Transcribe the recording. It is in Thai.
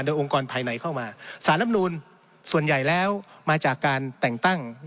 โดยองค์กรภายในเข้ามาสารรับนูลส่วนใหญ่แล้วมาจากการแต่งตั้ง